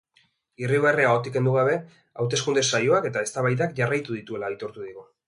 Irribarrea ahotik kendu gabe, hauteskunde saioak eta eztabaidak jarraitu dituela aitortu digu.